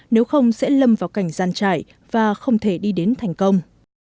nếu không sẽ lâm vào cảnh gian trải và không thể đi đến thành công